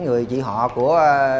người chị họ của